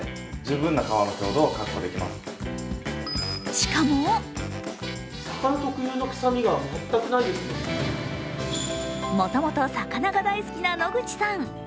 しかももともと魚が大好きな野口さん。